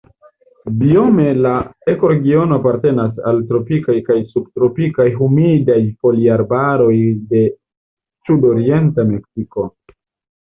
Biome la ekoregiono apartenas al tropikaj kaj subtropikaj humidaj foliarbaroj de sudorienta Meksiko.